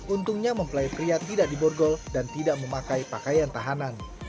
untungnya mempelai pria tidak diborgol dan tidak memakai pakaian tahanan